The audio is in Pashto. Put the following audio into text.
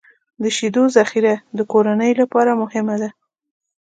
د شیدو ذخیره د کورنۍ لپاره مهمه ده.